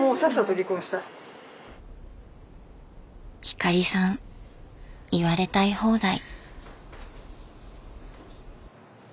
光さん言われたい放題？